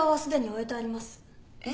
えっ？